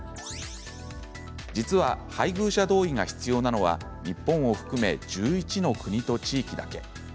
実は、配偶者同意が必要なのは日本を含め１１の国と地域だけ。